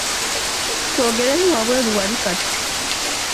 Twogeremu wabweru wali kati.